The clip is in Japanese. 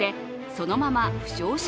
そのまま負傷者